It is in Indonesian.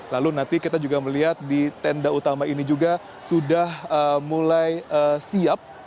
lalu nanti kita juga melihat di tenda utama ini juga sudah mulai siap